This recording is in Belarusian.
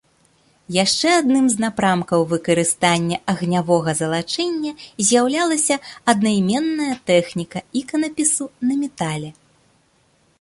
Яшчэ адным з напрамкаў выкарыстання агнявога залачэння з'яўлялася аднайменная тэхніка іканапісу на метале.